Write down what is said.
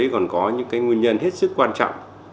có những cái nguyên nhân hết sức quan trọng